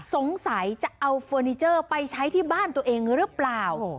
สงสัยจะเอาเฟอร์นิเจอร์ไปใช้ที่บ้านตัวเองหรือเปล่า